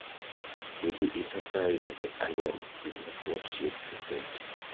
Milly is surprised at the alien, it is not what she expected.